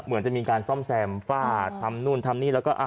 เหมือนจะมีการซ่อมแซมฝ้าทำนู่นทำนี่แล้วก็